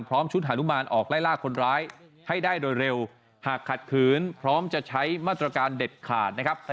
ชุดหานุมานออกไล่ล่าคนร้ายให้ได้โดยเร็วหากขัดขืนพร้อมจะใช้มาตรการเด็ดขาดนะครับ